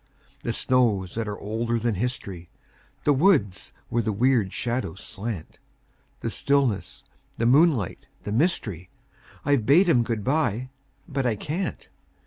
The snows that are older than history, The woods where the weird shadows slant; The stillness, the moonlight, the mystery, I've bade 'em good by but I can't.